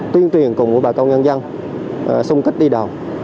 tuyên truyền cùng với bà công nhân dân xung kích đi đào